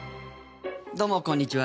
どうもこんにちは。